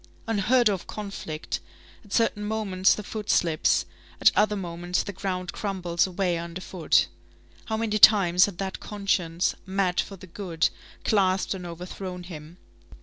Unheard of conflict! At certain moments the foot slips; at other moments the ground crumbles away underfoot. How many times had that conscience, mad for the good, clasped and overthrown him!